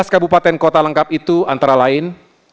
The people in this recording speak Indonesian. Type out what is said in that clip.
tujuh belas kabupaten kota lengkap itu antara lain